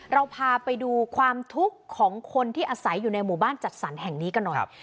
เราพาไปดูความทุกข์ของคนที่อาศัยอยู่ในหมู่บ้านจัดสรรแห่งนี้กันหน่อย